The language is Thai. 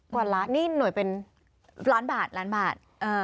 กว่าล้านนี่หน่วยเป็นล้านบาทล้านบาท